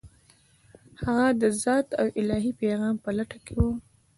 هغه د ذات او الهي پیغام په لټه کې و.